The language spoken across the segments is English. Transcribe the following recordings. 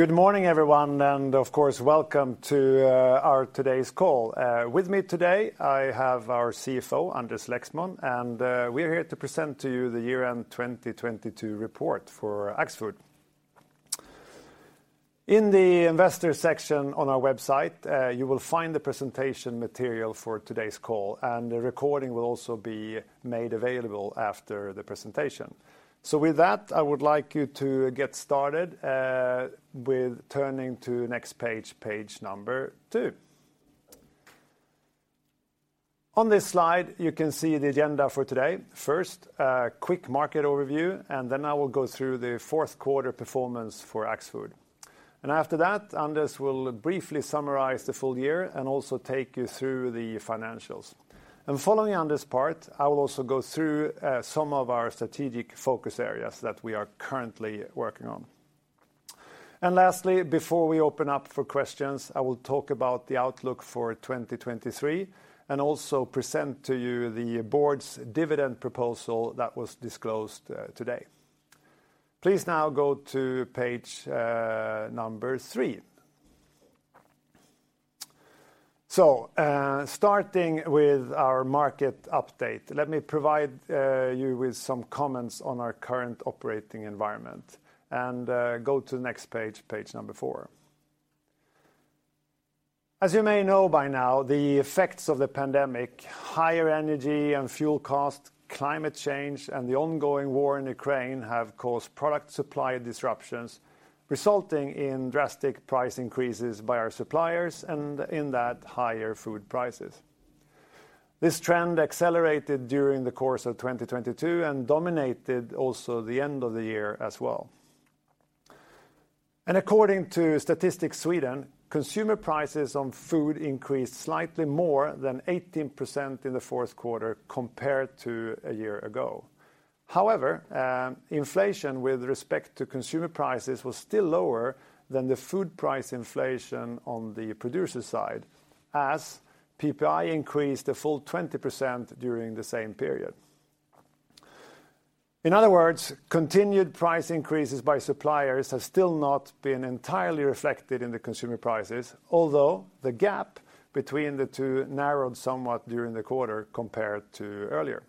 Good morning, everyone. Of course, welcome to our today's call. With me today, I have our CFO, Anders Lexmon. We're here to present to you the year-end 2022 report for Axfood. In the investor section on our website, you will find the presentation material for today's call. The recording will also be made available after the presentation. With that, I would like you to get started with turning to next page 2. On this slide, you can see the agenda for today. First, a quick market overview. Then I will go through the 4Q performance for Axfood. After that, Anders will briefly summarize the full year and also take you through the financials. Following Anders' part, I will also go through some of our strategic focus areas that we are currently working on. Lastly, before we open up for questions, I will talk about the outlook for 2023 and also present to you the Board's dividend proposal that was disclosed today. Please now go to page three. Starting with our market update. Let me provide you with some comments on our current operating environment and go to the next page four. As you may know by now, the effects of the pandemic, higher energy and fuel costs, climate change, and the ongoing war in Ukraine have caused product supply disruptions resulting in drastic price increases by our suppliers and in that higher food prices. This trend accelerated during the course of 2022 and dominated also the end of the year as well. According to Statistics Sweden, consumer prices on food increased slightly more than 18% in the 4Q compared to a year ago. However, inflation with respect to consumer prices was still lower than the food price inflation on the producer side as PPI increased a full 20% during the same period. In other words, continued price increases by suppliers have still not been entirely reflected in the consumer prices, although the gap between the two narrowed somewhat during the quarter compared to earlier.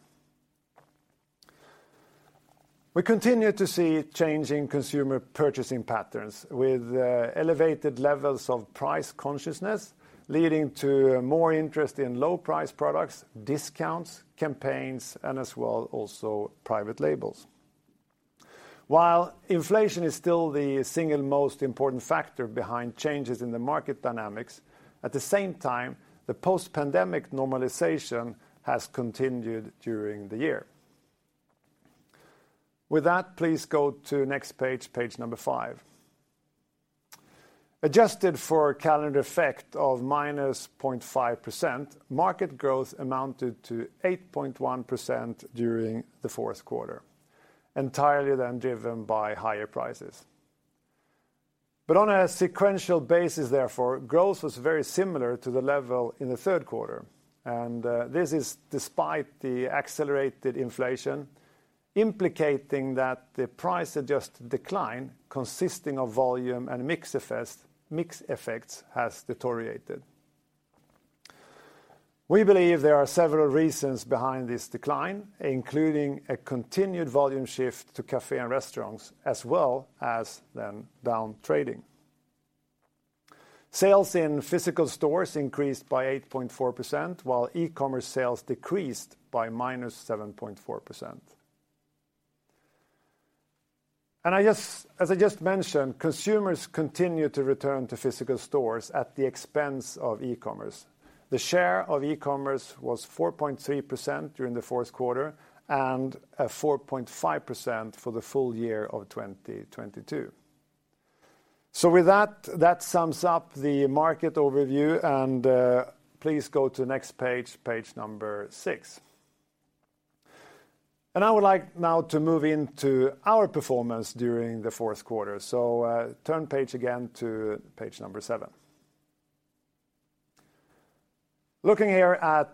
We continue to see changing consumer purchasing patterns with elevated levels of price consciousness leading to more interest in low price products, discounts, campaigns, and as well also private labels. While inflation is still the single most important factor behind changes in the market dynamics, at the same time, the post-pandemic normalization has continued during the year. With that, please go to next page number five. Adjusted for calendar effect of -0.5%, market growth amounted to 8.1% during the 4Q, entirely then driven by higher prices. On a sequential basis, therefore, growth was very similar to the level in the 3Q. This is despite the accelerated inflation, implicating that the price-adjusted decline consisting of volume and mix effects has deteriorated. We believe there are several reasons behind this decline, including a continued volume shift to café and restaurants, as well as then down trading. Sales in physical stores increased by 8.4%, while e-commerce sales decreased by -7.4%. As I just mentioned, consumers continue to return to physical stores at the expense of e-commerce. The share of e-commerce was 4.3% during the 4Q and 4.5% for the full year of 2022. With that sums up the market overview, please go to next page 6. I would like now to move into our performance during the 4Q. Turn page again to page 7. Looking here at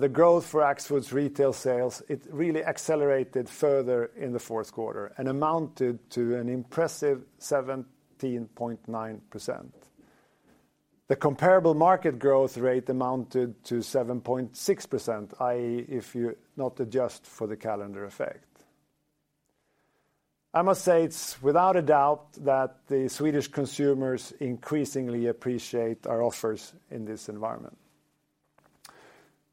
the growth for Axfood's retail sales, it really accelerated further in the 4Q and amounted to an impressive 17.9%. The comparable market growth rate amounted to 7.6%, i.e., if you not adjust for the calendar effect. I must say it's without a doubt that the Swedish consumers increasingly appreciate our offers in this environment.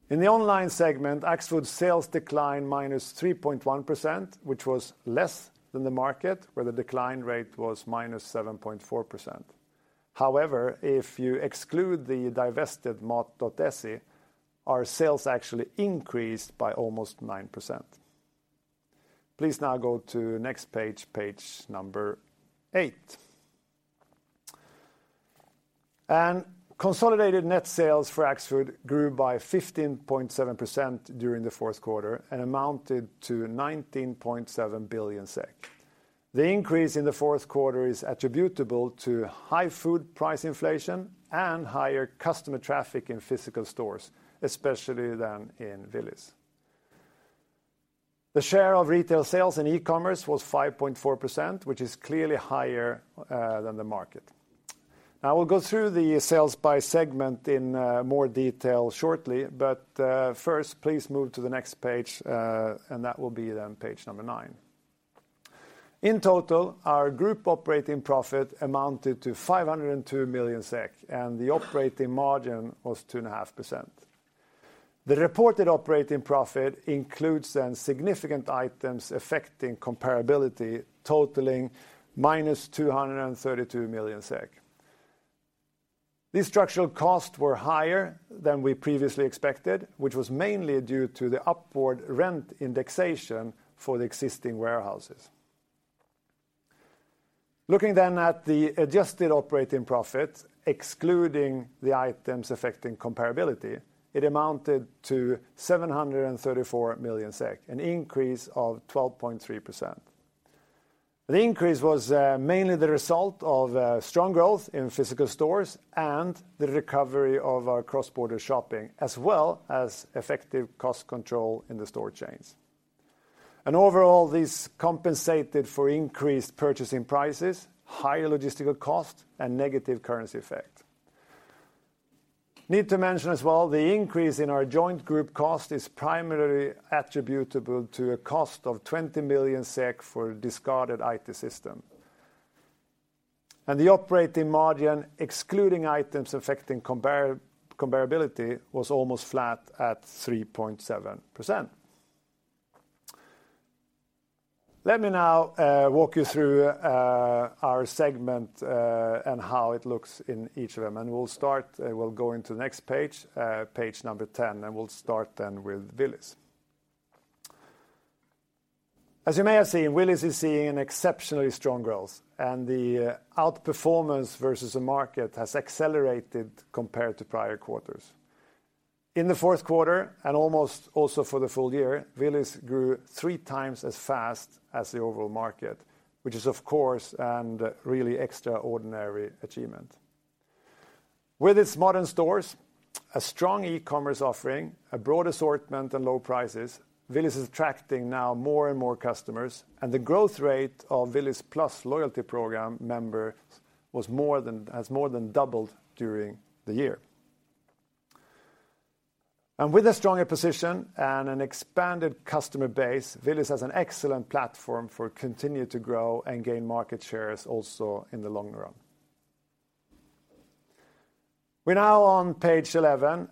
In the online segment, Axfood sales declined -3.1%, which was less than the market, where the decline rate was -7.4%. However, if you exclude the divested Mat.se, our sales actually increased by almost 9%. Please now go to next page number eight. Consolidated net sales for Axfood grew by 15.7% during the 4Q and amounted to 19.7 billion SEK. The increase in the 4Q is attributable to high food price inflation and higher customer traffic in physical stores, especially than in Willys. The share of retail sales in e-commerce was 5.4%, which is clearly higher than the market. Now, we'll go through the sales by segment in more detail shortly, but first, please move to the next page, and that will be then page number nine. In total, our group operating profit amounted to 502 million SEK, and the operating margin was 2.5%. The reported operating profit includes significant Items Affecting Comparability totaling -232 million SEK. These structural costs were higher than we previously expected, which was mainly due to the upward rent indexation for the existing warehouses. Looking at the adjusted operating profit, excluding the Items Affecting Comparability, it amounted to 734 million SEK, an increase of 12.3%. The increase was mainly the result of strong growth in physical stores and the recovery of our cross-border shopping, as well as effective cost control in the store chains. Overall, this compensated for increased purchasing prices, higher logistical cost, and negative currency effect. Need to mention as well, the increase in our joint group cost is primarily attributable to a cost of 20 million SEK for discarded IT system. The operating margin, excluding items affecting comparability, was almost flat at 3.7%. Let me now walk you through our segment and how it looks in each of them. We'll start, we'll go into the next page 10, and we'll start then with Willys. As you may have seen, Willys is seeing an exceptionally strong growth, and the outperformance versus the market has accelerated compared to prior quarters. In the 4Q, and almost also for the full year, Willys grew 3x as fast as the overall market, which is of course, a really extraordinary achievement. With its modern stores, a strong e-commerce offering, a broad assortment and low prices, Willys is attracting now more and more customers, the growth rate of Willys Plus loyalty program member has more than doubled during the year. With a stronger position and an expanded customer base, Willys has an excellent platform for continue to grow and gain market shares also in the long run. We're now on page 11,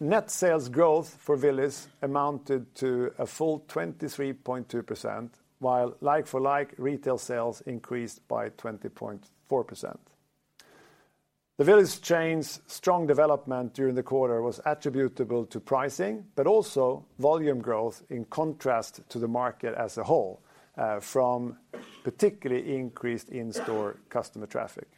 net sales growth for Willys amounted to a full 23.2%, while like-for-like retail sales increased by 20.4%. The Willys chain's strong development during the quarter was attributable to pricing, but also volume growth in contrast to the market as a whole, from particularly increased in-store customer traffic.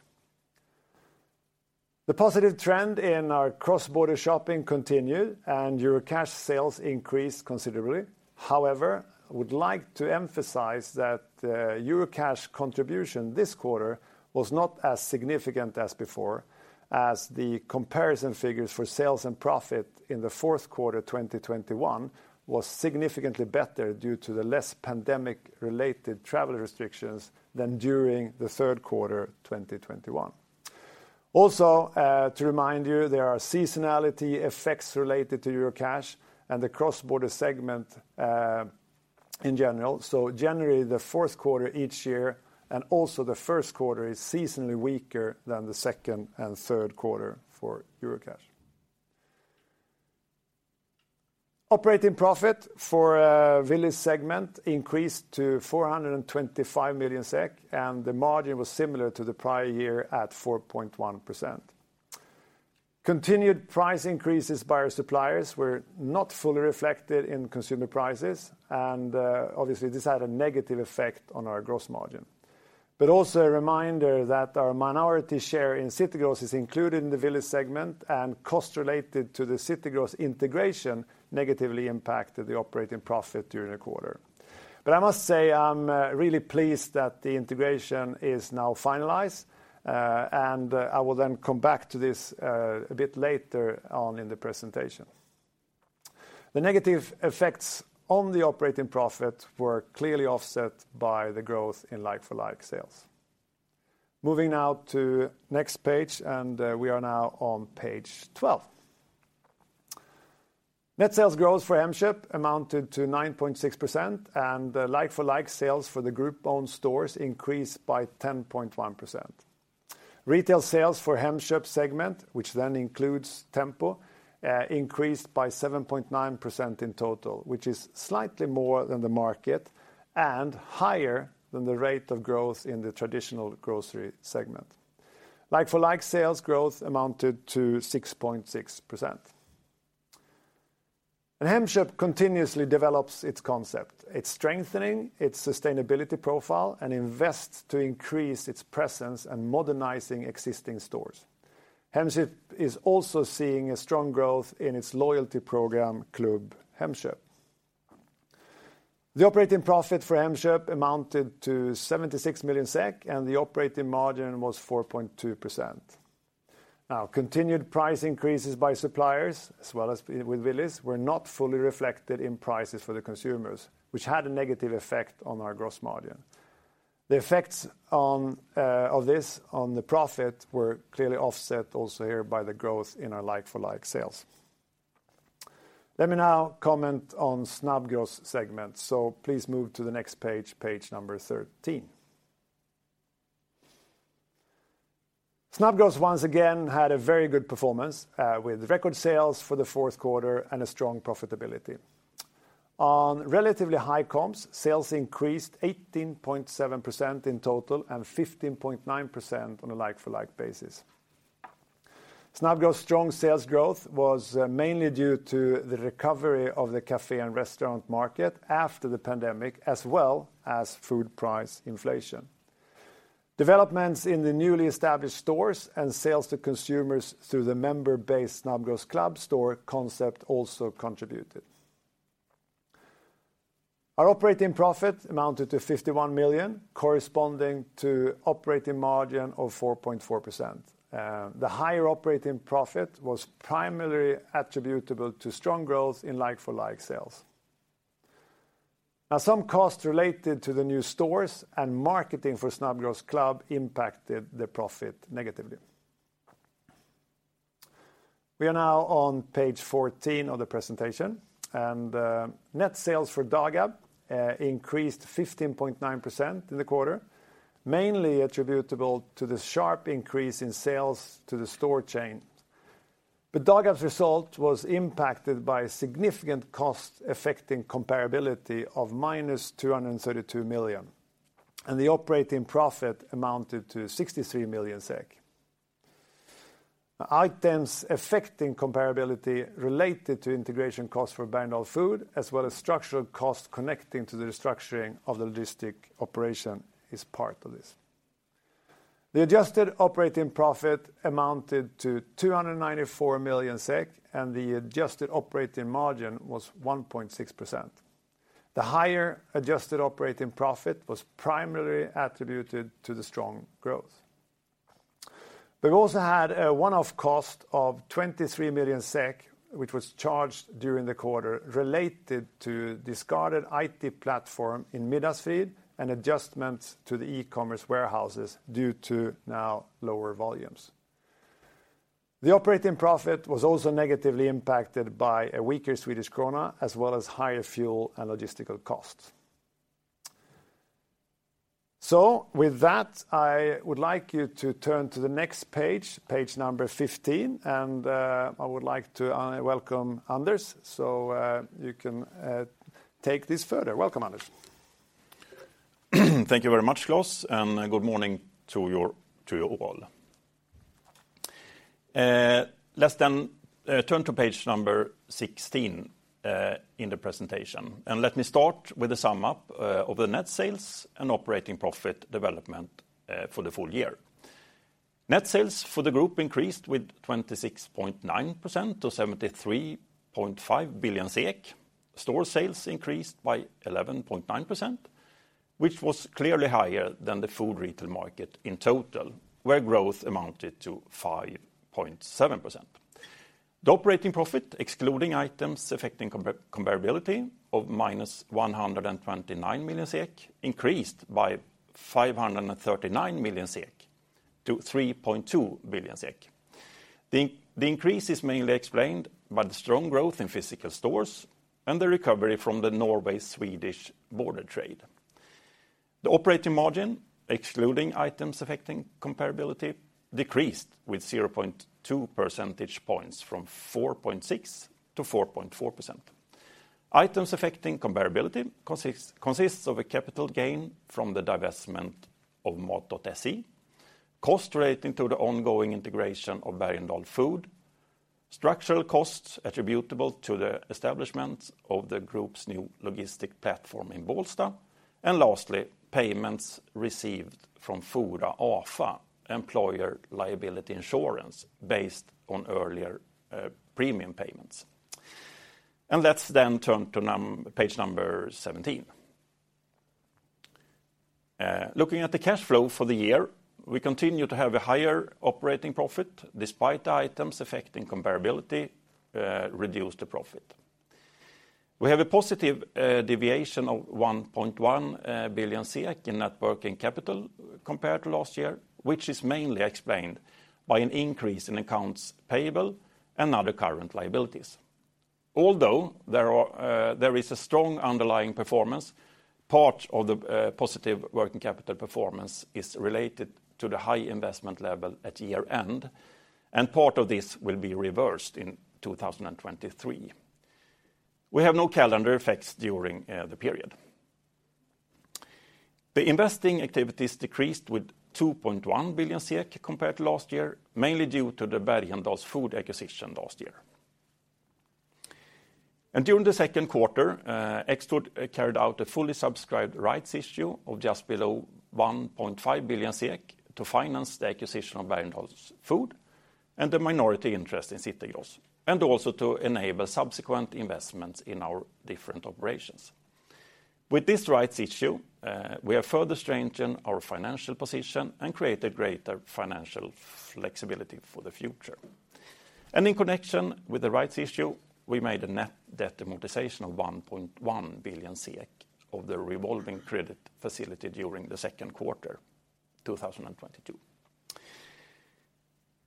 The positive trend in our cross-border shopping continued, Eurocash sales increased considerably. However, I would like to emphasize that Eurocash contribution this quarter was not as significant as before, as the comparison figures for sales and profit in the 4Q 2021 was significantly better due to the less pandemic-related travel restrictions than during the 3Q 2021. Also, to remind you, there are seasonality effects related to Eurocash and the cross-border segment in general. Generally, the 4Q each year, and also the first quarter is seasonally weaker than the second and 3Q for Eurocash. Operating profit for Willys segment increased to 425 million SEK, and the margin was similar to the prior year at 4.1%. Continued price increases by our suppliers were not fully reflected in consumer prices, and obviously this had a negative effect on our gross margin. Also a reminder that our minority share in City Gross is included in the Willys segment, and costs related to the City Gross integration negatively impacted the operating profit during the quarter. I must say I'm really pleased that the integration is now finalized, and I will then come back to this a bit later on in the presentation. The negative effects on the operating profit were clearly offset by the growth in like-for-like sales. Moving now to next page, we are now on page 12. Net sales growth for Hemköp amounted to 9.6%, and the like-for-like sales for the group-owned stores increased by 10.1%. Retail sales for Hemköp segment, which includes Tempo, increased by 7.9% in total, which is slightly more than the market and higher than the rate of growth in the traditional grocery segment. Like-for-like sales growth amounted to 6.6%. Hemköp continuously develops its concept. It's strengthening its sustainability profile and invest to increase its presence and modernizing existing stores. Hemköp is also seeing a strong growth in its loyalty program, Klubb Hemköp. The operating profit for Hemköp amounted to 76 million SEK, the operating margin was 4.2%. Continued price increases by suppliers, as well as with Willys, were not fully reflected in prices for the consumers, which had a negative effect on our gross margin. The effects on of this on the profit were clearly offset also here by the growth in our like-for-like sales. Let me now comment on Snabbgross' segment. Please move to the next page number 13. Snabbgross once again had a very good performance, with record sales for the 4Q and a strong profitability. On relatively high comps, sales increased 18.7% in total and 15.9% on a like-for-like basis. Snabbgross' strong sales growth was mainly due to the recovery of the café and restaurant market after the pandemic, as well as food price inflation. Developments in the newly established stores and sales to consumers through the member-based Snabbgross Club store concept also contributed. Our operating profit amounted to 51 million, corresponding to operating margin of 4.4%. The higher operating profit was primarily attributable to strong growth in like-for-like sales. Some costs related to the new stores and marketing for Snabbgross Club impacted the profit negatively. We are now on page 14 of the presentation, and net sales for Dagab increased 15.9% in the quarter, mainly attributable to the sharp increase in sales to the store chain. Dagab's result was impacted by significant cost affecting comparability of -232 million SEK. The operating profit amounted to 63 million SEK. Items Affecting Comparability related to integration costs for Bergendahls Food, as well as structural costs connecting to the restructuring of the logistics operation is part of this. The adjusted operating profit amounted to 294 million SEK. The adjusted operating margin was 1.6%. The higher adjusted operating profit was primarily attributed to the strong growth. We also had a one-off cost of 23 million SEK, which was charged during the quarter related to discarded IT platform in Middagsfrid and adjustments to the e-commerce warehouses due to now lower volumes. The operating profit was also negatively impacted by a weaker Swedish krona, as well as higher fuel and logistical costs. With that, I would like you to turn to the next page number 15, and I would like to welcome Anders. You can take this further. Welcome, Anders. Thank you very much, Klas, good morning to you all. Let's turn to page number 16 in the presentation. Let me start with a sum up of the net sales and operating profit development for the full year. Net sales for the group increased with 26.9% to 73.5 billion. Store sales increased by 11.9%, which was clearly higher than the food retail market in total, where growth amounted to 5.7%. The operating profit, excluding Items Affecting Comparability of minus 129 million SEK, increased by 539 million SEK to 3.2 billion SEK. The increase is mainly explained by the strong growth in physical stores and the recovery from the Norway-Swedish border trade. The operating margin, excluding items affecting comparability, decreased with 0.2 percentage points from 4.6% to 4.4%. Items affecting comparability consists of a capital gain from the divestment of Mat.se, cost relating to the ongoing integration of Bergendahls Food, structural costs attributable to the establishment of the group's new logistic platform in Bålsta, lastly, payments received from Fora Afa, employer liability insurance based on earlier premium payments. Let's then turn to page number 17. Looking at the cash flow for the year, we continue to have a higher operating profit despite the items affecting comparability reduce the profit. We have a positive deviation of 1.1 billion SEK in net working capital compared to last year, which is mainly explained by an increase in accounts payable and other current liabilities. Although there are, there is a strong underlying performance, part of the positive working capital performance is related to the high investment level at year-end, and part of this will be reversed in 2023. We have no calendar effects during the period. The investing activities decreased with 2.1 billion compared to last year, mainly due to the Bergendahls Food acquisition last year. During the second quarter, Axfood carried out a fully subscribed rights issue of just below 1.5 billion SEK to finance the acquisition of Bergendahls Food and the minority interest in City Gross, and also to enable subsequent investments in our different operations. With this rights issue, we have further strengthened our financial position and created greater financial flexibility for the future. In connection with the rights issue, we made a net debt amortization of 1.1 billion SEK of the revolving credit facility during the second quarter 2022.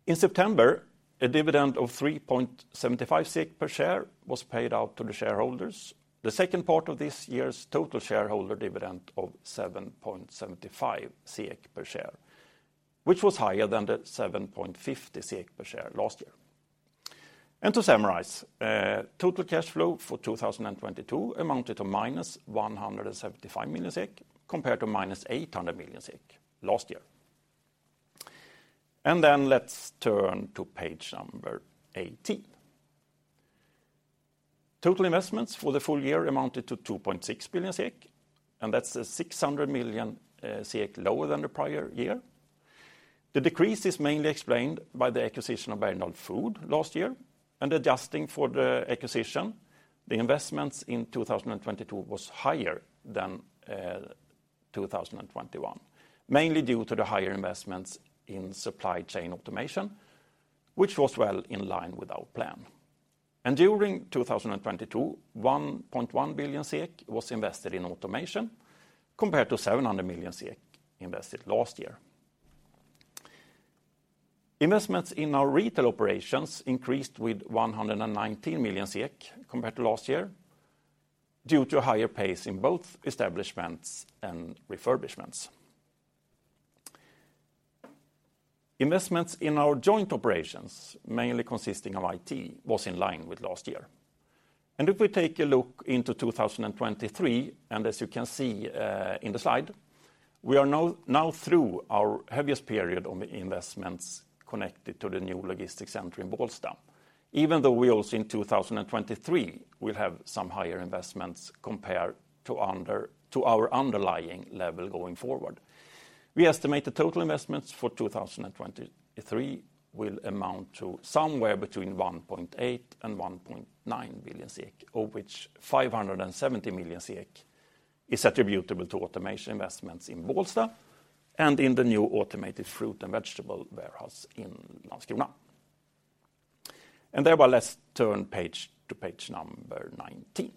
In September, a dividend of 3.75 SEK per share was paid out to the shareholders, the second part of this year's total shareholder dividend of 7.75 SEK per share, which was higher than the 7.50 SEK per share last year. To summarize, total cash flow for 2022 amounted to minus 175 million compared to -800 million last year. Let's turn to page number 18. Total investments for the full year amounted to 2.6 billion, and that's 600 million lower than the prior year. The decrease is mainly explained by the acquisition of Bergendahls Food last year. Adjusting for the acquisition, the investments in 2022 was higher than 2021, mainly due to the higher investments in supply chain automation, which was well in line with our plan. During 2022, 1.1 billion SEK was invested in automation compared to 700 million SEK invested last year. Investments in our retail operations increased with 119 million SEK compared to last year due to a higher pace in both establishments and refurbishments. Investments in our joint operations, mainly consisting of IT, was in line with last year. If we take a look into 2023, and as you can see in the slide, we are now through our heaviest period on the investments connected to the new logistics center in Bålsta. Even though we also in 2023 will have some higher investments compared to our underlying level going forward. We estimate the total investments for 2023 will amount to somewhere between 1.8 billion and 1.9 billion SEK, of which 570 million SEK is attributable to automation investments in Bålsta and in the new automated fruit and vegetable warehouse in Landskrona. Thereby let's turn page to page 19.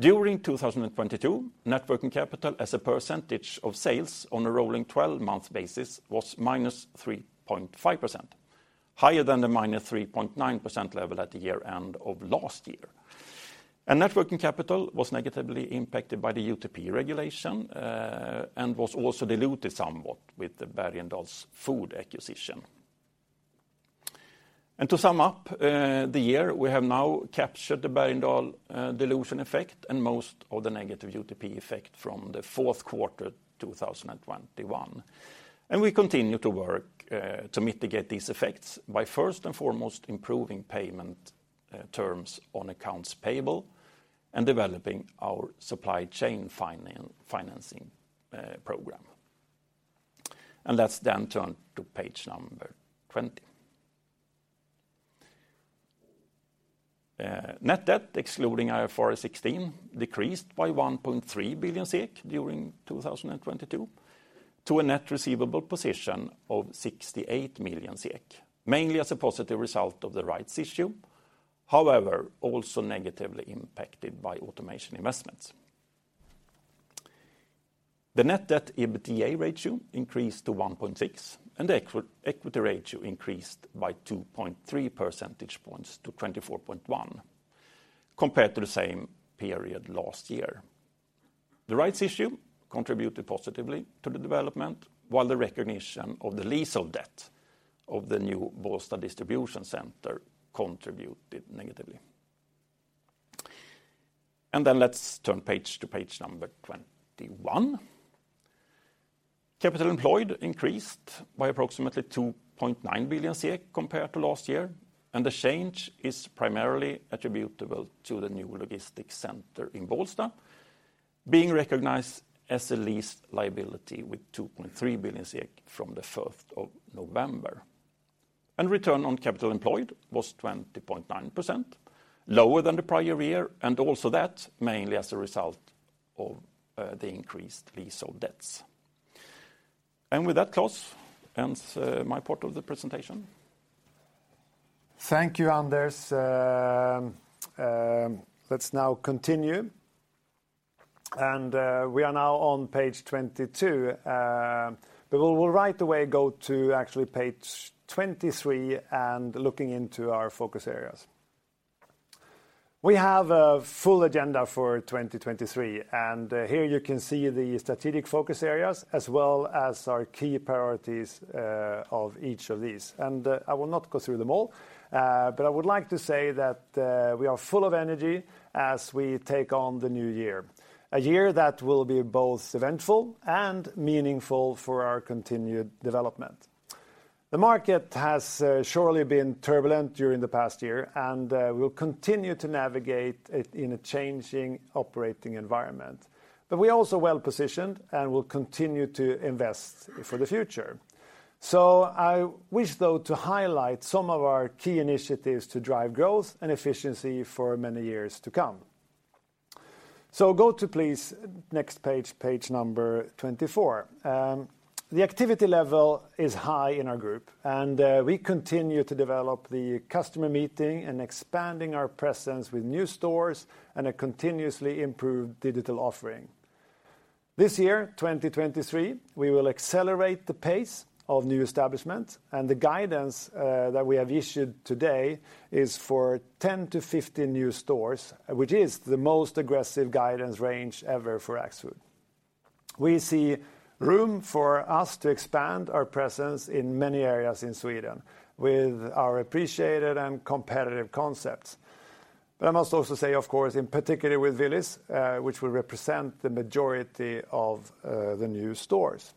During 2022, net working capital as a percentage of sales on a rolling 12-month basis was -3.5%, higher than the -3.9% level at the year end of last year. Net working capital was negatively impacted by the UTP regulation and was also diluted somewhat with the Bergendahls Food acquisition. To sum up the year, we have now captured the Bergendal dilution effect and most of the negative UTP effect from the 4Q 2021. We continue to work to mitigate these effects by first and foremost improving payment terms on accounts payable and developing our supply chain financing program. Let's then turn to page number 20. Net debt excluding IFRS 16 decreased by 1.3 billion SEK during 2022 to a net receivable position of 68 million SEK, mainly as a positive result of the rights issue, however, also negatively impacted by automation investments. The net debt EBITDA ratio increased to 1.6, and the equity ratio increased by 2.3 percentage points to 24.1 compared to the same period last year. The rights issue contributed positively to the development, while the recognition of the lease of debt of the new Bålsta distribution center contributed negatively. Let's turn page to page number 21. Capital employed increased by approximately 2.9 billion compared to last year, the change is primarily attributable to the new logistics center in Bålsta being recognized as a lease liability with 2.3 billion SEK from the 5th of November. Return on capital employed was 20.9%, lower than the prior year, and also that mainly as a result of the increased lease of debts. With that, Klas, ends my part of the presentation. Thank you, Anders. Let's now continue. We are now on page 22, but we'll right away go to actually page 23 and looking into our focus areas. We have a full agenda for 2023, here you can see the strategic focus areas as well as our key priorities of each of these. I will not go through them all, but I would like to say that we are full of energy as we take on the new year, a year that will be both eventful and meaningful for our continued development. The market has surely been turbulent during the past year, we'll continue to navigate it in a changing operating environment. We're also well-positioned and will continue to invest for the future. I wish though to highlight some of our key initiatives to drive growth and efficiency for many years to come. Go to please next page number 24. The activity level is high in our group, and we continue to develop the customer meeting and expanding our presence with new stores and a continuously improved digital offering. This year, 2023, we will accelerate the pace of new establishments, and the guidance that we have issued today is for 10-15 new stores, which is the most aggressive guidance range ever for Axfood. We see room for us to expand our presence in many areas in Sweden with our appreciated and competitive concepts. I must also say, of course, in particular with Willys, which will represent the majority of the new stores.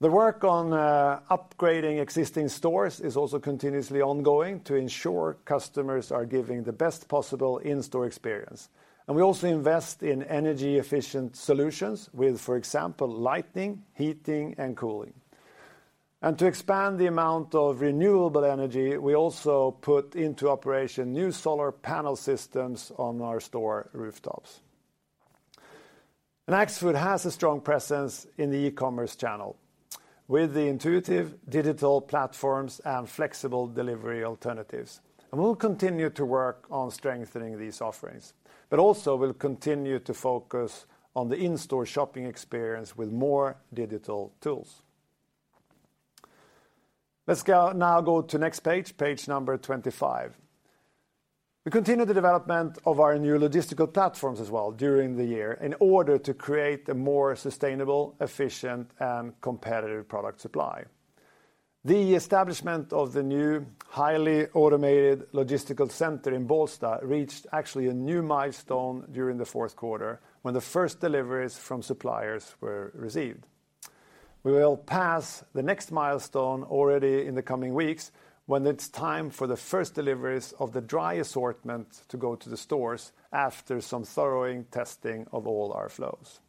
The work on upgrading existing stores is also continuously ongoing to ensure customers are giving the best possible in-store experience. We also invest in energy-efficient solutions with, for example, lighting, heating and cooling. To expand the amount of renewable energy, we also put into operation new solar panel systems on our store rooftops. Axfood has a strong presence in the e-commerce channel with the intuitive digital platforms and flexible delivery alternatives. We'll continue to work on strengthening these offerings, but also we'll continue to focus on the in-store shopping experience with more digital tools. Now go to next page number 25. We continue the development of our new logistical platforms as well during the year in order to create a more sustainable, efficient, and competitive product supply. The establishment of the new highly automated logistics center in Bålsta reached actually a new milestone during the 4Q when the first deliveries from suppliers were received. We will pass the next milestone already in the coming weeks when it's time for the first deliveries of the dry assortment to go to the stores after some thorough testing of all our flows.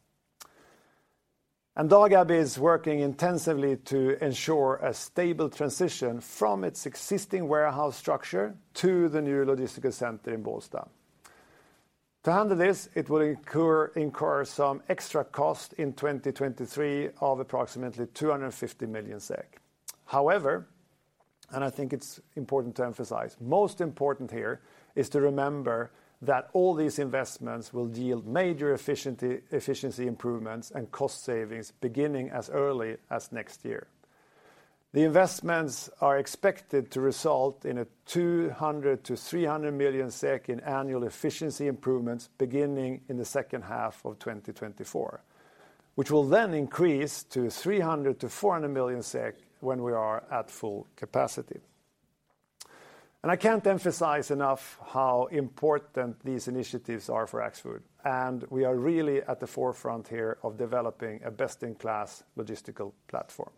Dagab is working intensively to ensure a stable transition from its existing warehouse structure to the new logistics center in Bålsta. To handle this, it will incur some extra cost in 2023 of approximately 250 million SEK. Most important here is to remember that all these investments will yield major efficiency improvements and cost savings beginning as early as next year. The investments are expected to result in a 200 million-300 million SEK in annual efficiency improvements beginning in the second half of 2024, which will then increase to 300 million-400 million SEK when we are at full capacity. I can't emphasize enough how important these initiatives are for Axfood, and we are really at the forefront here of developing a best-in-class logistical platform.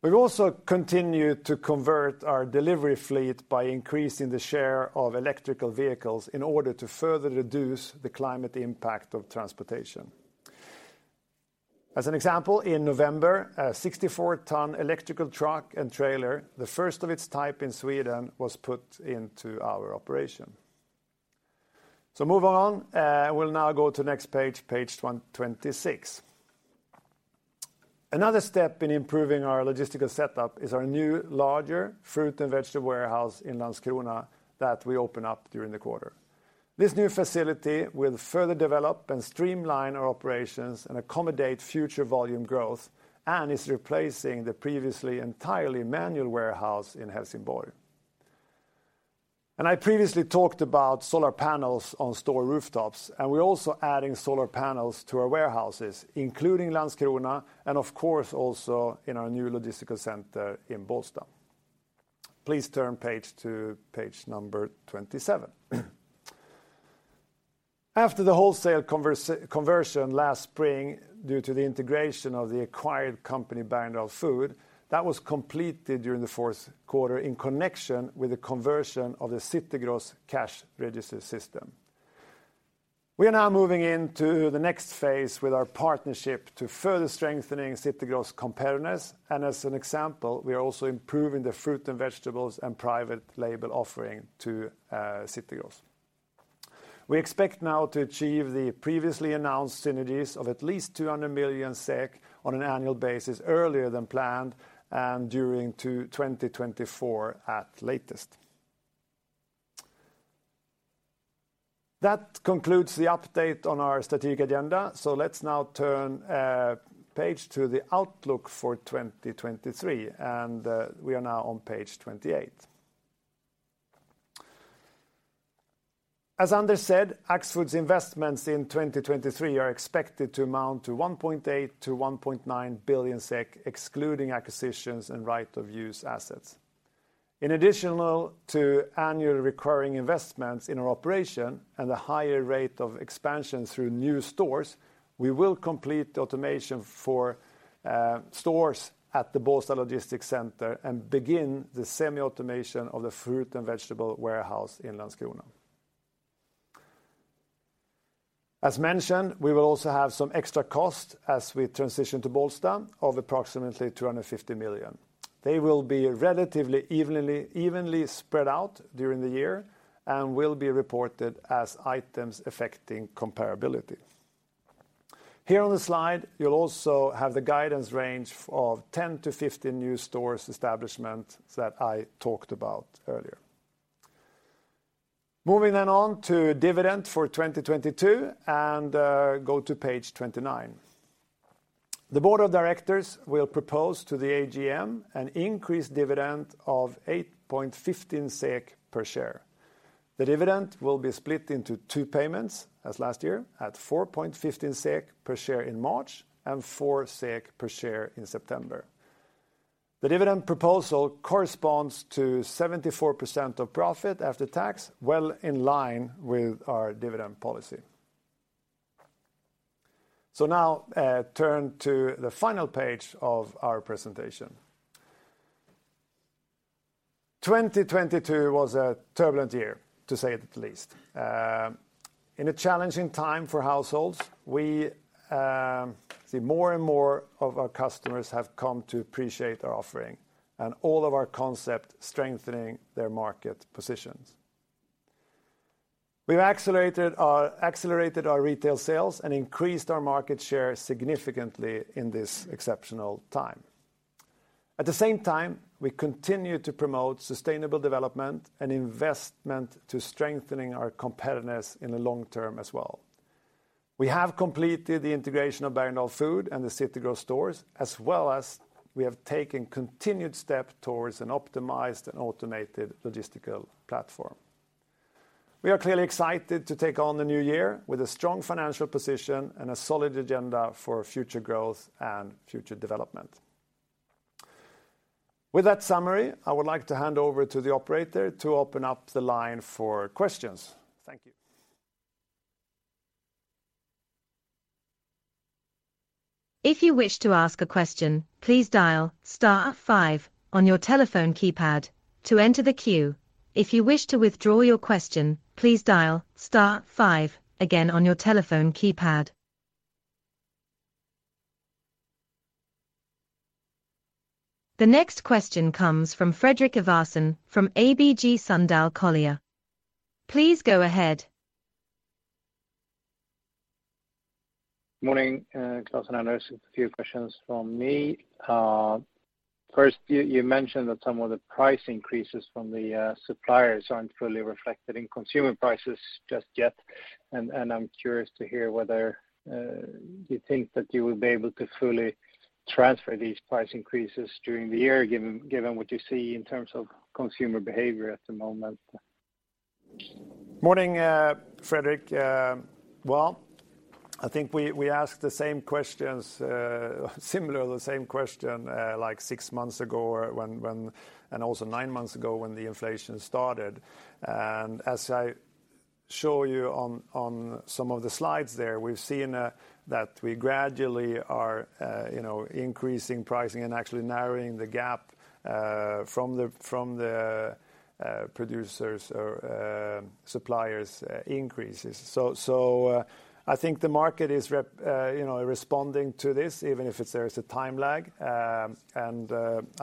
We've also continued to convert our delivery fleet by increasing the share of electrical vehicles in order to further reduce the climate impact of transportation. As an example, in November, a 64-ton electrical truck and trailer, the first of its type in Sweden, was put into our operation. Move on. We'll now go to next page 126. Another step in improving our logistical setup is our new larger fruit and vegetable warehouse in Landskrona that we open up during the quarter. This new facility will further develop and streamline our operations and accommodate future volume growth and is replacing the previously entirely manual warehouse in Helsingborg. I previously talked about solar panels on store rooftops, and we're also adding solar panels to our warehouses, including Landskrona and of course also in our new logistical center in Bålsta. Please turn page to page number 27. After the wholesale conversion last spring due to the integration of the acquired company Bergendahls Food, that was completed during the 4Q in connection with the conversion of the City Gross cash register system. We are now moving into the next phase with our partnership to further strengthening City Gross competitiveness. As an example, we are also improving the fruit and vegetables and private label offering to City Gross. We expect now to achieve the previously announced synergies of at least 200 million SEK on an annual basis earlier than planned and during 2024 at latest. That concludes the update on our strategic agenda. Let's now turn page to the outlook for 2023. We are now on page 28. As Anders said, Axfood's investments in 2023 are expected to amount to 1.8 billion-1.9 billion SEK, excluding acquisitions and right of use assets. In addition to annual recurring investments in our operation and a higher rate of expansion through new stores, we will complete automation for stores at the Bålsta Logistics Center and begin the semi-automation of the fruit and vegetable warehouse in Landskrona. As mentioned, we will also have some extra costs as we transition to Bålsta of approximately 250 million. They will be relatively evenly spread out during the year and will be reported as Items Affecting Comparability. Here on the slide, you'll also have the guidance range of 10-15 new stores establishments that I talked about earlier. Moving on to dividend for 2022 and go to page 29. The board of directors will propose to the AGM an increased dividend of 8.15 SEK per share. The dividend will be split into two payments as last year at 4.15 SEK per share in March and 4 SEK per share in September. The dividend proposal corresponds to 74% of profit after tax, well in line with our dividend policy. Now, turn to the final page of our presentation. 2022 was a turbulent year, to say the least. In a challenging time for households, we see more and more of our customers have come to appreciate our offering and all of our concept strengthening their market positions. We've accelerated our retail sales and increased our market share significantly in this exceptional time. At the same time, we continue to promote sustainable development and investment to strengthening our competitiveness in the long term as well. We have completed the integration of Bergendahls Food and the City Gross stores, as well as we have taken continued step towards an optimized and automated logistical platform. We are clearly excited to take on the new year with a strong financial position and a solid agenda for future growth and future development. With that summary, I would like to hand over to the operator to open up the line for questions. Thank you. If you wish to ask a question, please dial star five on your telephone keypad to enter the queue. If you wish to withdraw your question, please dial star 5 again on your telephone keypad. The next question comes from Fredrik Ivarsson from ABG Sundal Collier. Please go ahead. Morning, Klas and Anders. A few questions from me. First, you mentioned that some of the price increases from the suppliers aren't fully reflected in consumer prices just yet, and I'm curious to hear whether you think that you will be able to fully transfer these price increases during the year given what you see in terms of consumer behavior at the moment. Morning, Fredrik. Well, I think we asked the same questions, similar the same question, like six months ago and also nine months ago when the inflation started. As I show you on some of the slides there, we've seen that we gradually are, you know, increasing pricing and actually narrowing the gap from the producers or suppliers' increases. I think the market is, you know, responding to this even if it's there is a time lag. I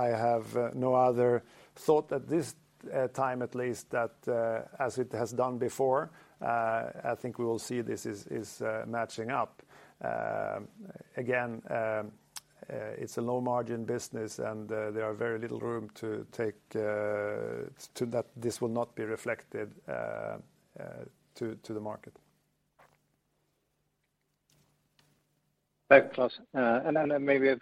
have no other thought at this time at least that as it has done before, I think we will see this matching up. Again, it's a low margin business, and there are very little room to take to that this will not be reflected to the market. Thanks, Klas. Then maybe a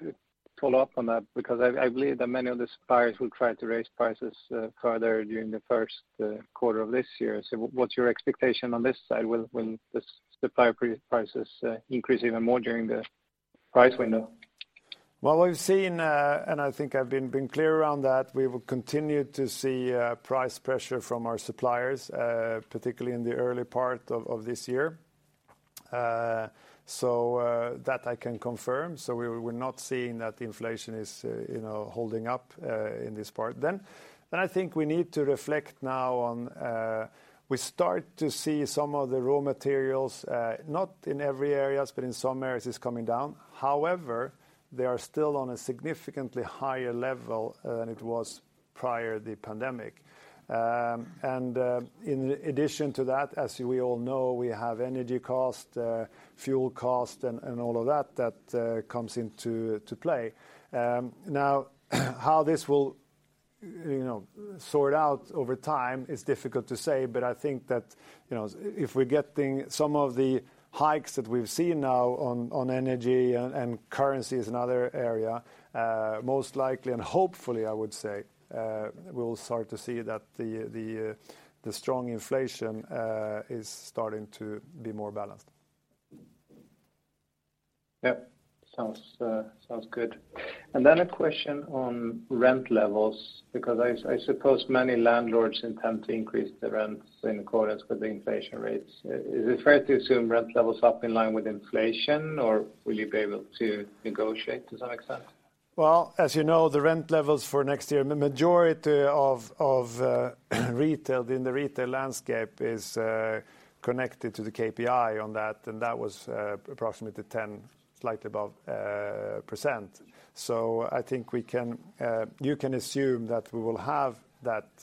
follow-up on that because I believe that many of the suppliers will try to raise prices further during the 1st quarter of this year. What's your expectation on this side when the supplier prices increase even more during the price window? We've seen, I think I've been clear around that we will continue to see price pressure from our suppliers, particularly in the early part of this year. That I can confirm. We're not seeing that inflation is, you know, holding up in this part then. I think we need to reflect now on, we start to see some of the raw materials, not in every areas, but in some areas it's coming down. However, they are still on a significantly higher level than it was prior the pandemic. In addition to that, as we all know, we have energy cost, fuel cost and all of that that comes into play. Now how this will, you know, sort out over time is difficult to say, but I think that, you know, if we're getting some of the hikes that we've seen now on energy and currencies and other area, most likely and hopefully, I would say, we'll start to see that the strong inflation, is starting to be more balanced. Yep. Sounds good. A question on rent levels, because I suppose many landlords intend to increase the rents in accordance with the inflation rates. Is it fair to assume rent levels up in line with inflation or will you be able to negotiate to some extent? As you know, the rent levels for next year, majority of, in the retail landscape is connected to the KPI on that, and that was approximately 10%, slightly above. I think we can assume that we will have that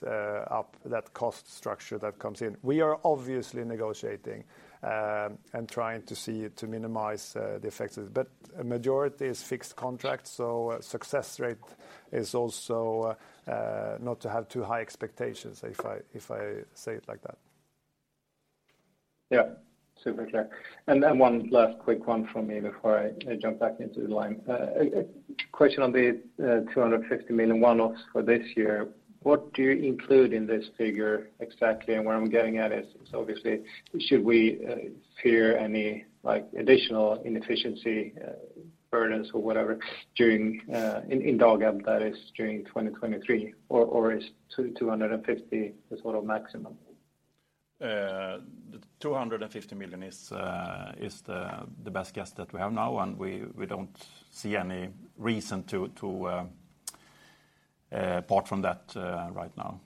cost structure that comes in. We are obviously negotiating and trying to see it to minimize the effects, but a majority is fixed contract. Success rate is also not to have too high expectations if I say it like that. Yeah. Super clear. Then one last quick one from me before I jump back into the line. A question on the 250 million one-offs for this year. What do you include in this figure exactly? Where I'm getting at is obviously should we fear any, like, additional inefficiency burdens or whatever during in Dagab that is during 2023 or is 250 the sort of maximum? 250 million is the best guess that we have now. We don't see any reason to apart from that, right now.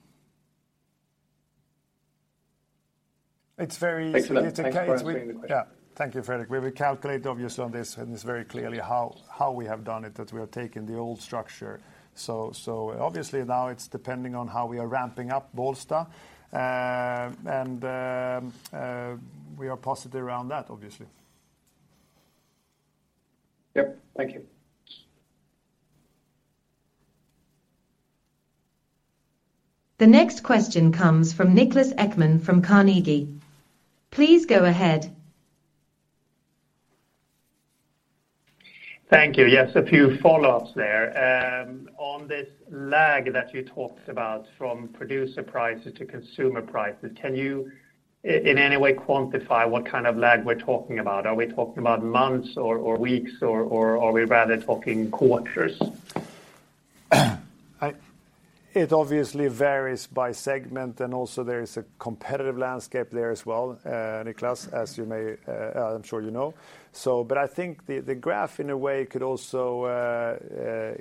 It's very easy to- Thank you. Thanks for answering the question. Yeah. Thank you, Fredrik. We will calculate obviously on this, and it's very clearly how we have done it, that we are taking the old structure. Obviously now it's depending on how we are ramping up Bålsta. And we are positive around that, obviously. Yep. Thank you. The next question comes from Niklas Ekman from Carnegie. Please go ahead. Thank you. Yes, a few follow-ups there. On this lag that you talked about from producer prices to consumer prices, can you in any way quantify what kind of lag we're talking about? Are we talking about months or weeks or are we rather talking quarters? It obviously varies by segment, and also there is a competitive landscape there as well, Niklas, as you may, I'm sure you know. But I think the graph in a way could also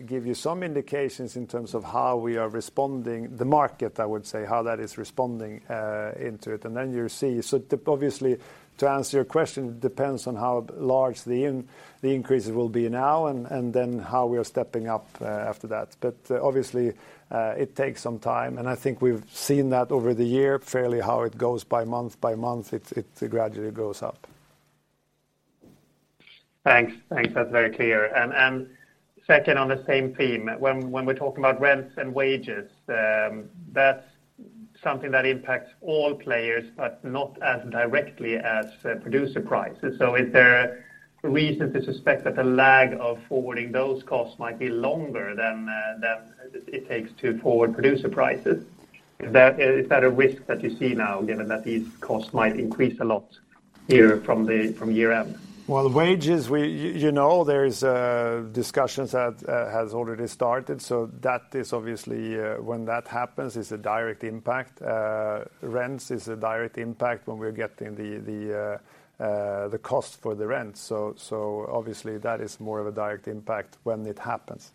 give you some indications in terms of how we are responding the market, I would say, how that is responding into it. Then you see. Obviously, to answer your question, it depends on how large the increase will be now and then how we are stepping up after that. Obviously, it takes some time, and I think we've seen that over the year fairly how it goes by month by month, it gradually goes up. Thanks. That's very clear. Second on the same theme, when we're talking about rents and wages, that's something that impacts all players, but not as directly as producer prices. Is there reason to suspect that the lag of forwarding those costs might be longer than it takes to forward producer prices? Is that a risk that you see now, given that these costs might increase a lot here from year-end? Well, wages, we, you know, there's discussions that has already started. That is obviously, when that happens, is a direct impact. Rents is a direct impact when we're getting the cost for the rent. Obviously, that is more of a direct impact when it happens.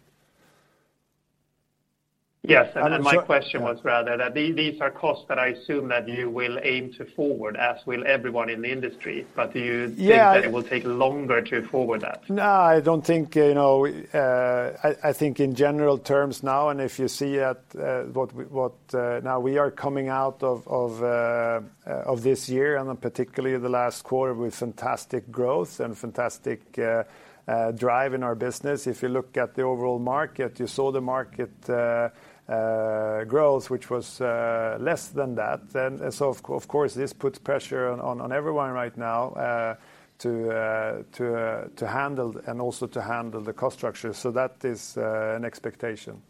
Yes. And so- My question was rather that these are costs that I assume that you will aim to forward, as will everyone in the industry. Do you? Yeah. think that it will take longer to forward that? No, I don't think, you know, I think in general terms now. If you see at what we, what, now we are coming out of this year, and then particularly the last quarter, with fantastic growth and fantastic drive in our business. If you look at the overall market, you saw the market growth, which was less than that. Of course, this puts pressure on everyone right now, to handle and also to handle the cost structure. That is an expectation.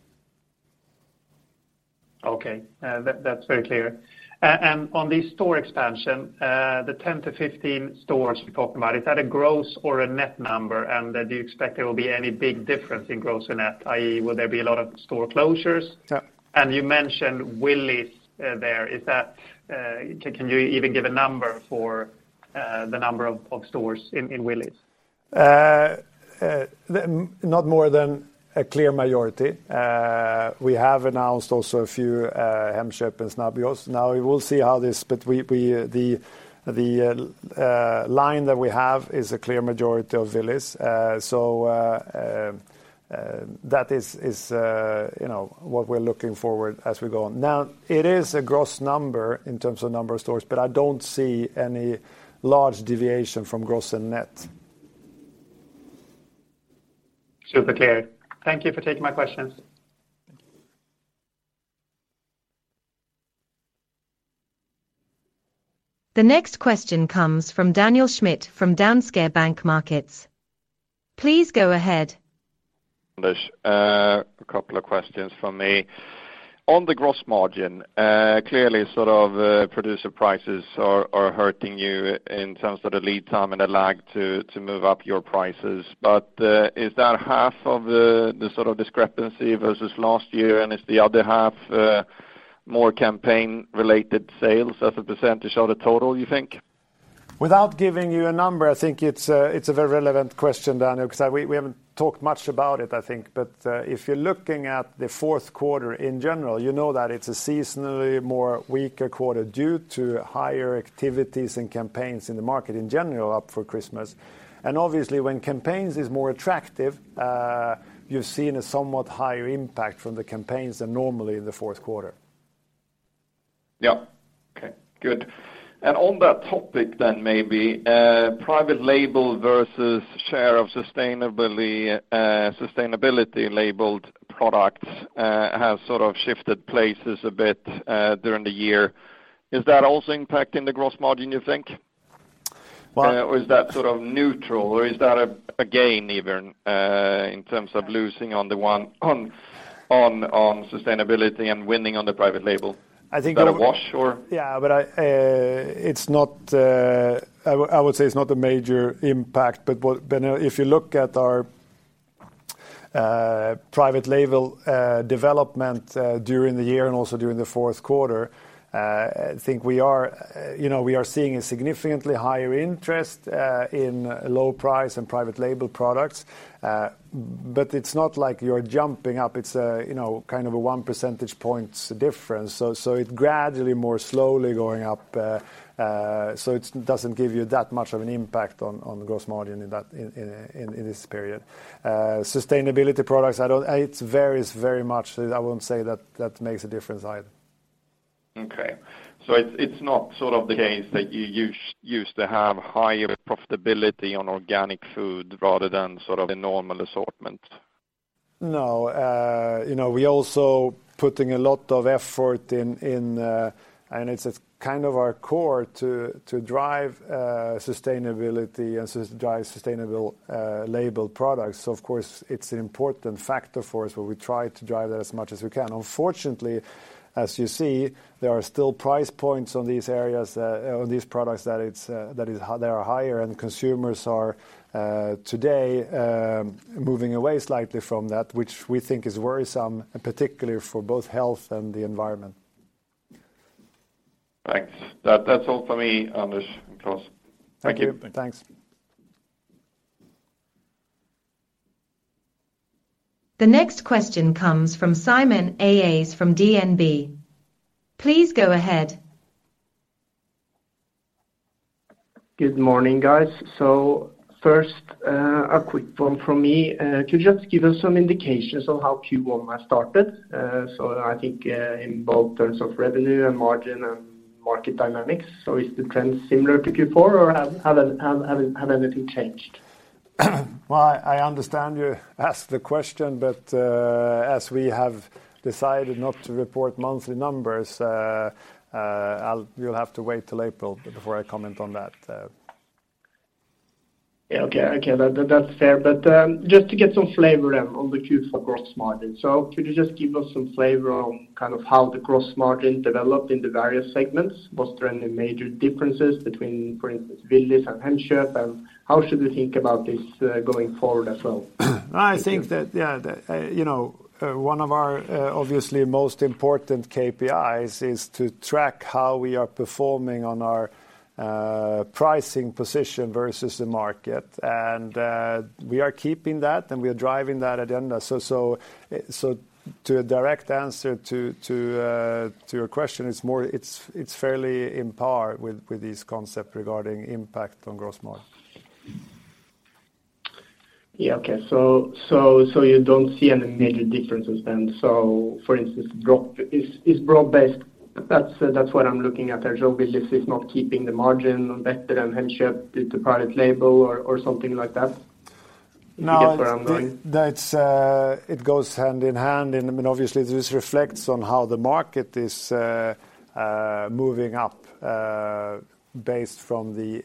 Okay. That's very clear. On the store expansion, the 10-15 stores we talked about, is that a gross or a net number? Do you expect there will be any big difference in gross or net, i.e., will there be a lot of store closures? Yeah. You mentioned Willys, there. Is that, can you even give a number for the number of stores in Willys? not more than a clear majority. We have announced also a few Hemköp and Snabbgross. We will see how this, but we, the line that we have is a clear majority of Willys. You know, what we're looking forward as we go on. It is a gross number in terms of number of stores, but I don't see any large deviation from gross and net. Super clear. Thank you for taking my questions. The next question comes from Daniel Schmidt from Danske Bank Markets. Please go ahead. There's a couple of questions from me. On the gross margin, clearly, sort of, producer prices are hurting you in terms of the lead time and the lag to move up your prices. Is that half of the sort of discrepancy versus last year? Is the other half more campaign-related sales as a % of the total, you think? Without giving you a number, I think it's a very relevant question, Daniel, because we haven't talked much about it, I think. If you're looking at the 4Q in general, you know that it's a seasonally more weaker quarter due to higher activities and campaigns in the market in general up for Christmas. Obviously, when campaigns is more attractive, you're seeing a somewhat higher impact from the campaigns than normally in the 4Q. Yeah. Okay, good. On that topic maybe, private label versus share of sustainability labeled products, have sort of shifted places a bit during the year. Is that also impacting the gross margin, you think? Well- Is that sort of neutral or is that a gain even, in terms of losing on the one on sustainability and winning on the private label? I think- Is that a wash or? Yeah. I would say it's not a major impact. Now, if you look at our private label development during the year and also during the 4Q, I think we are, you know, we are seeing a significantly higher interest in low price and private label products. It's not like you're jumping up. It's a, you know, kind of a 1 percentage points difference. It gradually more slowly going up. It doesn't give you that much of an impact on the gross margin in that in this period. Sustainability products, I don't. It varies very much. I won't say that that makes a difference either. It's not sort of the case that you used to have higher profitability on organic food rather than sort of a normal assortment? No. you know, we also putting a lot of effort in and it's kind of our core to drive sustainability and drive sustainable labeled products. Of course it's an important factor for us, where we try to drive that as much as we can. Unfortunately, as you see, there are still price points on these areas, on these products that they are higher and consumers are today moving away slightly from that, which we think is worrisome, particularly for both health and the environment. Thanks. That's all for me, Anders and Klas. Thank you. Thank you. Thanks. The next question comes from Simen Aas from DNB. Please go ahead. Good morning, guys. First, a quick one from me. Could you just give us some indications on how Q1 has started? I think, in both terms of revenue and margin and market dynamics. Is the trend similar to Q4 or have anything changed? I understand you ask the question, but, as we have decided not to report monthly numbers, you'll have to wait till April before I comment on that. Yeah. Okay. Okay. That's fair. Just to get some flavor then on the Q4 gross margin. Could you just give us some flavor on kind of how the gross margin developed in the various segments? Was there any major differences between, for instance, Willys and Hemköp? How should we think about this going forward as well? I think that, yeah, the, you know, one of our, obviously most important KPIs is to track how we are performing on our pricing position versus the market. We are keeping that, and we are driving that agenda. To a direct answer to your question, it's fairly in par with this concept regarding impact on gross margin. Yeah. Okay. You don't see any major differences then. For instance, is broad-based? That's what I'm looking at there. Willys is not keeping the margin better than Hemköp due to private label or something like that? No. Do you get where I'm going? That's, it goes hand in hand. I mean, obviously this reflects on how the market is moving up based from the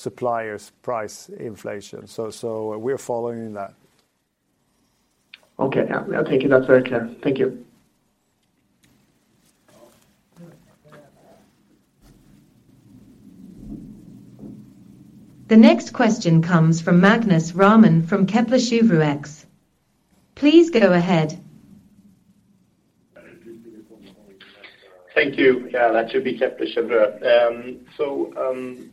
suppliers' price inflation. We're following that. Okay. Yeah. Yeah. Thank you. That's very clear. Thank you. The next question comes from Magnus Råman from Kepler Cheuvreux. Please go ahead. Thank you. Yeah, that should be Kepler Cheuvreux.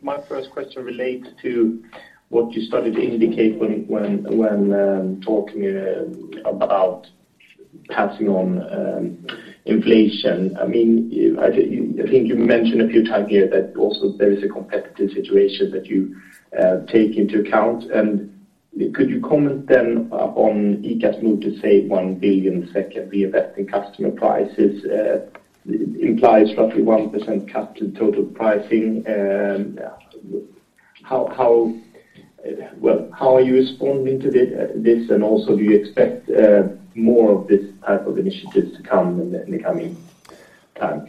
My first question relates to what you started to indicate when talking about passing on inflation. I mean, I think you mentioned a few times here that also there is a competitive situation that you take into account. Could you comment then on ICA's move to save 1 billion that can be invested in customer prices, implies roughly 1% cut to total pricing? Well, how are you responding to this? Also, do you expect more of this type of initiatives to come in the coming time?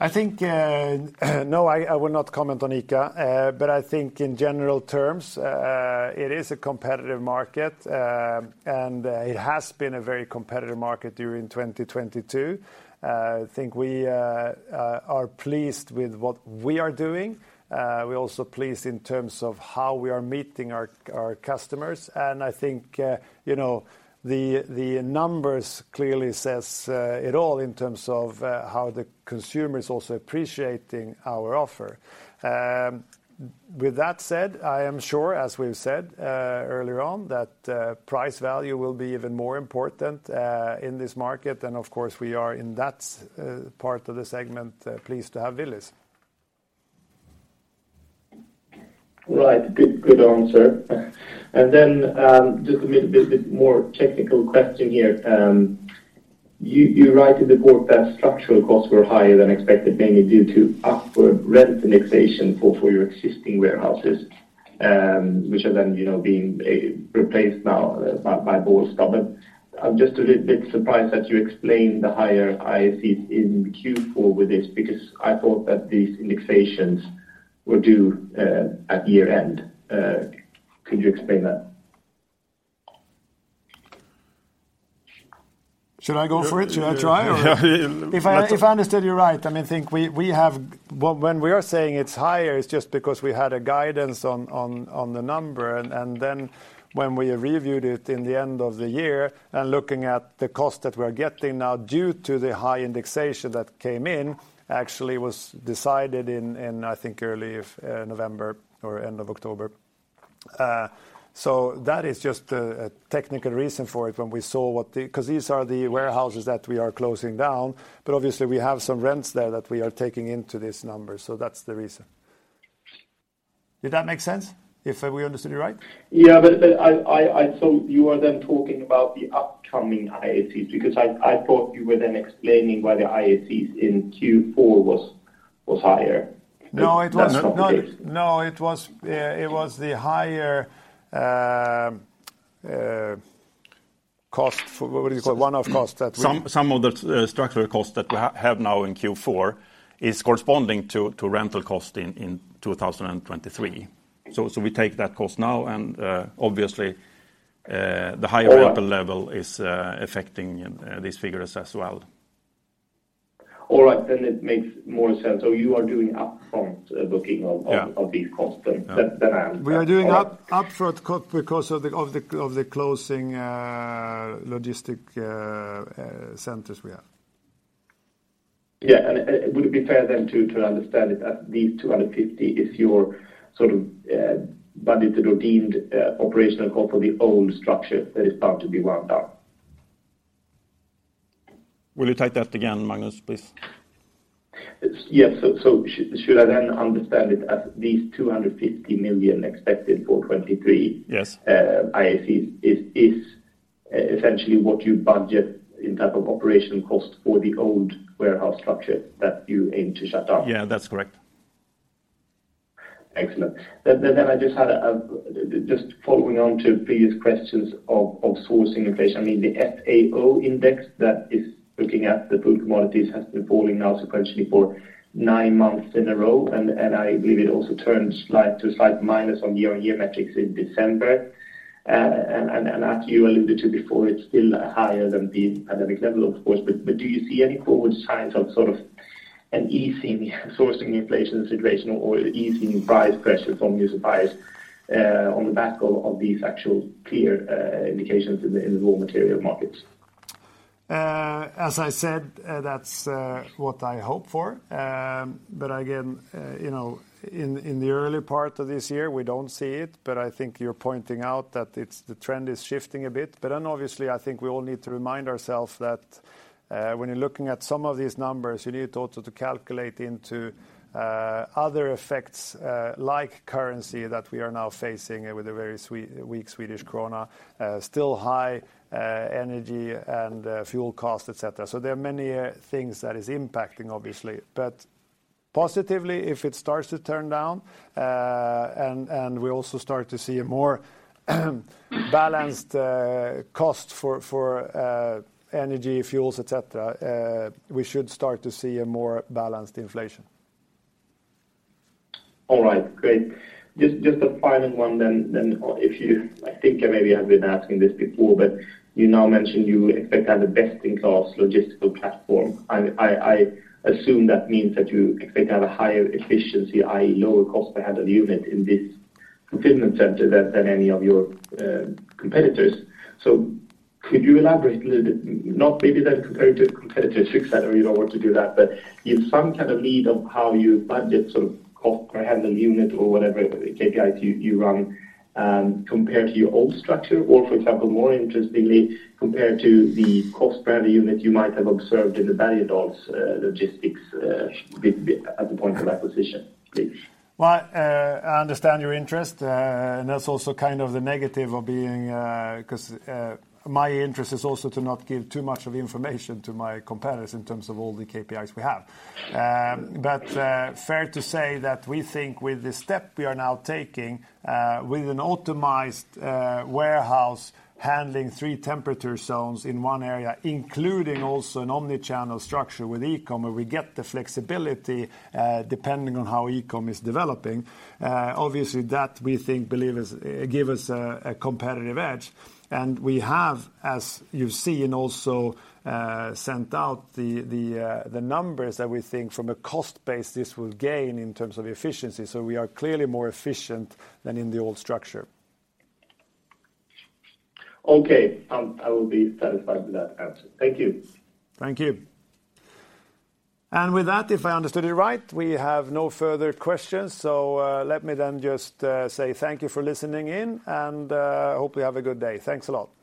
I think no, I will not comment on ICA. I think in general terms, it is a competitive market. It has been a very competitive market during 2022. I think we are pleased with what we are doing. We're also pleased in terms of how we are meeting our customers. I think, you know, the numbers clearly says it all in terms of how the consumer is also appreciating our offer. With that said, I am sure, as we've said earlier on, that price value will be even more important in this market. Of course we are in that part of the segment, pleased to have Willys. Right. Good, good answer. Just a bit more technical question here. You write in the board that structural costs were higher than expected, mainly due to upward rent indexation for your existing warehouses, which are then, you know, being replaced now by Borlänge. I'm just a little bit surprised that you explained the higher IACs in Q4 with this because I thought that these indexations were due at year-end. Could you explain that? Should I go for it? Should I try or? Yeah. If I understood you right, I mean, think we have. When we are saying it's higher, it's just because we had a guidance on the number. When we reviewed it in the end of the year and looking at the cost that we're getting now due to the high indexation that came in, actually was decided in, I think early November or end of October. That is just a technical reason for it when we saw what the. 'Cause these are the warehouses that we are closing down, but obviously we have some rents there that we are taking into this number, so that's the reason. Did that make sense? If we understood you right? Yeah. You are then talking about the upcoming IACs because I thought you were then explaining why the IACs in Q4 was higher. No. That's not the case. No, it was the higher, cost for One-off cost. Some of the structural costs that we have now in Q4 is corresponding to rental cost in 2023. We take that cost now and obviously. All right. the higher rental level is affecting these figures as well. All right. It makes more sense. You are doing upfront, booking of. Yeah of these costs then. That's the reason. We are doing upfront because of the closing, logistic, centers we have. Yeah. Would it be fair then to understand it as these 250 is your sort of, budgeted or deemed, operational cost for the old structure that is bound to be wound up? Will you take that again, Magnus, please? Yes. Shall I then understand it as these 250 million expected for 2023- Yes IACs is essentially what you budget in type of operational cost for the old warehouse structure that you aim to shut down? Yeah, that's correct. Excellent. I just had, just following on to previous questions of sourcing inflation. I mean, the FAO index that is looking at the food commodities has been falling now sequentially for nine months in a row, and I believe it also turned to a slight minus on year-on-year metrics in December. As you alluded to before, it's still higher than the pandemic level, of course. Do you see any forward signs of sort of an easing sourcing inflation situation or easing price pressures from your suppliers, on the back of these actual clear indications in the raw material markets? As I said, that's what I hope for. Again, you know, in the early part of this year, we don't see it, but I think you're pointing out that the trend is shifting a bit. Obviously, I think we all need to remind ourselves that when you're looking at some of these numbers, you need also to calculate into other effects, like currency that we are now facing with a very weak Swedish krona, still high energy and fuel costs, et cetera. There are many things that is impacting obviously. Positively, if it starts to turn down, and we also start to see a more balanced cost for energy, fuels, et cetera, we should start to see a more balanced inflation. All right. Great. Just a final one then if you. I think I maybe have been asking this before, but you now mentioned you expect to have a best-in-class logistical platform. I assume that means that you expect to have a higher efficiency, i.e. lower cost per head of unit in this fulfillment center than any of your competitors. Could you elaborate a little bit? Not maybe then compared to competitors, et cetera, you don't want to do that. Give some kind of lead of how you budget sort of cost per head of the unit or whatever the KPIs you run, compared to your old structure. For example, more interestingly, compared to the cost per unit you might have observed in the Bergendahls logistics at the point of acquisition, please. Well, I understand your interest. That's also kind of the negative of being, my interest is also to not give too much of information to my competitors in terms of all the KPIs we have. Fair to say that we think with the step we are now taking, with an optimized warehouse handling three temperature zones in one area, including also an omni-channel structure with e-com, where we get the flexibility, depending on how e-com is developing. Obviously that we think give us a competitive edge. We have, as you've seen, also, sent out the numbers that we think from a cost base this will gain in terms of efficiency. We are clearly more efficient than in the old structure. Okay. I will be satisfied with that answer. Thank you. Thank you. With that, if I understood you right, we have no further questions. Let me then just say thank you for listening in. Hope you have a good day. Thanks a lot.